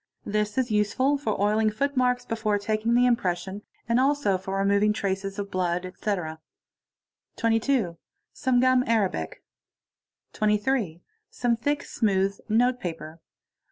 This is useful for oiling footmarks before 'taking the impression and also for removing traces of blood, etc. 22. Some.gum arabic. 23. Some thick, smooth notepaper.